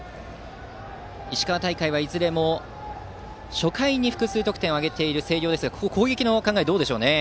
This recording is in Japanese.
石川大会はいずれも初回に複数得点を挙げた星稜ですが攻撃の考えはどうでしょうかね。